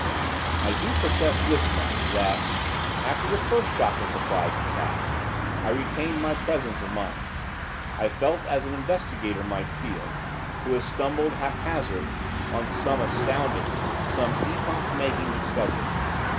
I do protest this much, that, after the first shock of surprise had passed, I retained my presence of mind. I felt as an investigator might feel, who has stumbled, haphazard, on some astounding, some epoch making, discovery.